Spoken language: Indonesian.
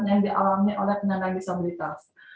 yang dialami oleh penyandang disabilitas